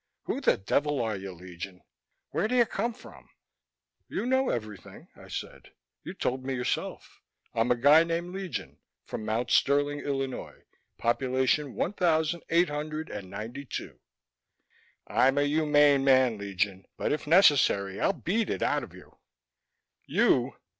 Who the devil are you, Legion? Where do you come from?" "You know everything," I said. "You told me yourself. I'm a guy named Legion, from Mount Sterling, Illinois, population one thousand eight hundred and ninety two." "I'm a humane man, Legion. But if necessary I'll beat it out of you." "You?"